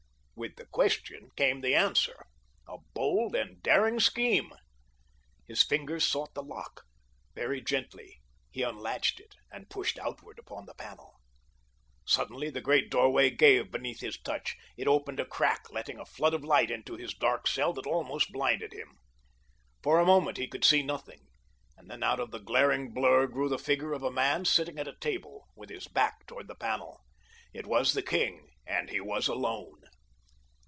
With the question came the answer—a bold and daring scheme. His fingers sought the lock. Very gently, he unlatched it and pushed outward upon the panel. Suddenly the great doorway gave beneath his touch. It opened a crack letting a flood of light into his dark cell that almost blinded him. For a moment he could see nothing, and then out of the glaring blur grew the figure of a man sitting at a table—with his back toward the panel. It was the king, and he was alone.